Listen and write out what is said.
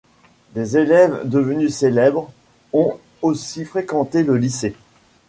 Des élèves devenus célèbres ont aussi fréquenté le lycée.